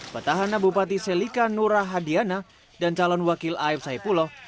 petahana bupati selika nura hadiana dan calon wakil af saipuloh